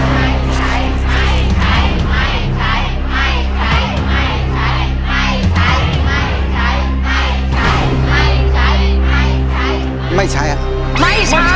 ไม่ใช้ค่ะไม่ใช้ค่ะ